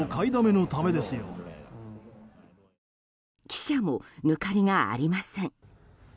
記者も抜かりがありません。